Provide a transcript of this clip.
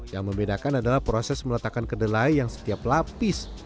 yang membedakan adalah proses meletakkan kedelai yang setiap lapis